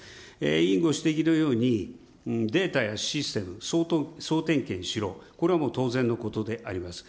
委員ご指摘のように、データやシステム、総点検しろ、これはもう当然のことであります。